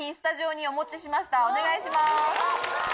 お願いします。